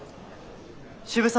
渋沢！